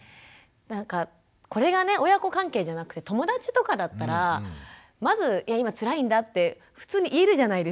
なんかこれがね親子関係じゃなくて友達とかだったらまず今つらいんだって普通に言えるじゃないですか。